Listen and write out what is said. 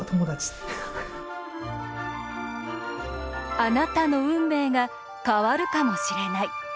あなたの運命が変わるかもしれない。